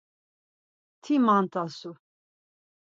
Ti mantasu.